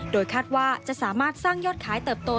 โดยคาดว่าจะสามารถสร้างยอดขายเติบโต